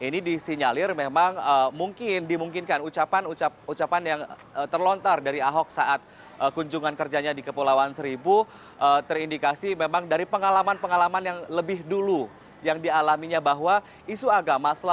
nah ini juga menunjukkan bahwa